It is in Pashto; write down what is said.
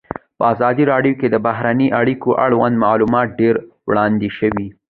په ازادي راډیو کې د بهرنۍ اړیکې اړوند معلومات ډېر وړاندې شوي.